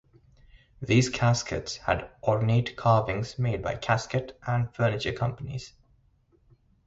These caskets had ornate carvings made by casket and furniture companies.